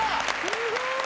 すごい！